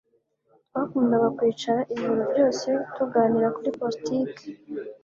Twakundaga kwicara ijoro ryose tuganira kuri politiki.